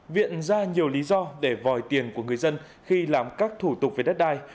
viện ra nhiều lý do để vòi tiền của người dân khi làm các thủ tục về đất đai